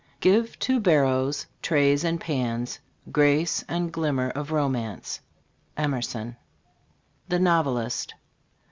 Give to barrows, trays and pans, Grace and glimmer of romance. Emerson. THE NOVELIST.